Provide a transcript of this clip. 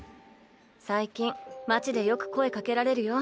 最近街でよく声掛けられるよ。